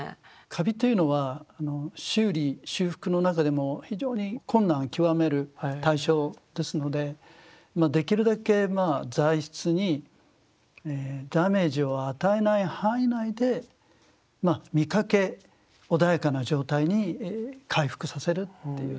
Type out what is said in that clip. カビというのは修理修復の中でも非常に困難を極める対象ですのでできるだけまあ材質にダメージを与えない範囲内でまあ見かけ穏やかな状態に回復させるっていう。